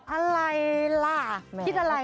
อะไรล่ะคิดอะไร